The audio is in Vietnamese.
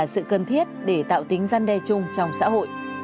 đó là sự cần thiết để tạo tính gian đe chung trong xã hội